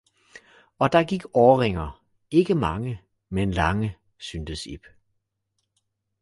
Og der gik åringer, – ikke mange, men lange, syntes Ib.